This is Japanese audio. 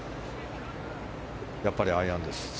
やっぱりアイアンです。